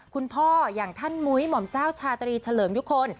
คุณพ่ออย่างท่านมุ้ยหม่อมเจ้าชาตรีเฉลิมยุคล